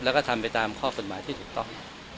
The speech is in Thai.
แล้วก็ทำไปตามข้อกฎหมายที่ถูกต้อง